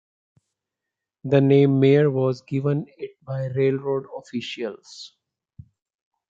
The name Mayer was given it by railroad officials.